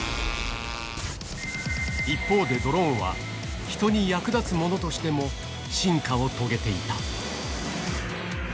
一方でドローンは、人に役立つものとしても進化を遂げていた。